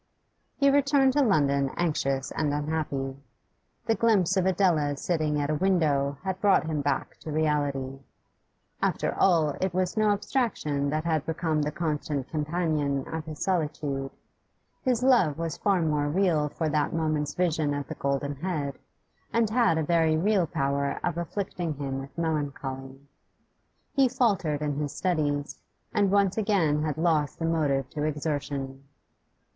He returned to London anxious and unhappy. The glimpse of Adela sitting at the window had brought him back to reality; after all it was no abstraction that had become the constant companion of his solitude; his love was far more real for that moment's vision of the golden head, and had a very real power of afflicting him with melancholy. He faltered in his studies, and once again had lost the motive to exertion.